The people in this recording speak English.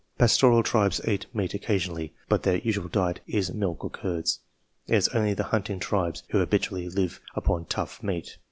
Pastoral tribes eat meat occasionally, but their usual diet is milk or curds. It is only the hunting tribes who habitually live upon tough meat.